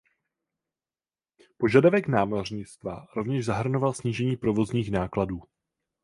Požadavek námořnictva rovněž zahrnoval snížení provozních nákladů.